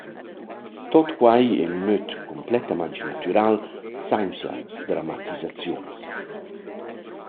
Tuot quai in möd cumplettamaing natüral, sainza dramatisaziuns.